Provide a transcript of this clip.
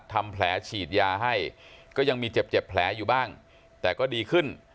ทำแผลฉีดยาให้ก็ยังมีเจ็บแผลอยู่บ้างแต่ก็ดีขึ้น